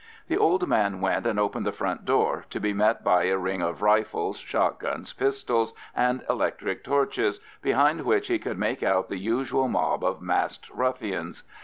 The old man went and opened the front door, to be met by a ring of rifles, shot guns, pistols, and electric torches, behind which he could make out the usual mob of masked ruffians.